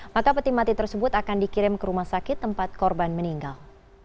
mata peti mati tersebut akan dikirim ke rumah sakit tempat korban meninggal